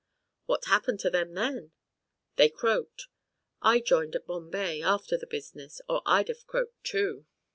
"What happened to them then?" "They croaked. I joined at Bombay, after the business, or I'd have croaked too."